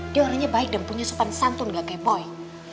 dia orangnya baik dan punya sopan santun gak kayak boy